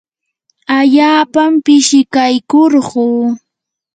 allaapa pishikaykurquu.